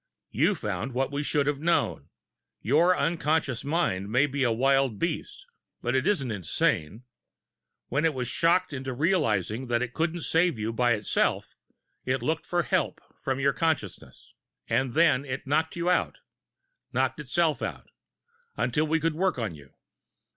You found what we should have known your unconscious mind may be a wild beast, but it isn't insane. When it was shocked into realizing that it couldn't save you by itself, it looked for help from your consciousness. And then it knocked you out knocked itself out until we could work on you."